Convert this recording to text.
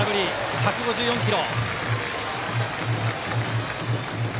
１５４キロ。